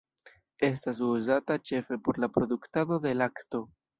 Estas uzata ĉefe por la produktado de lakto.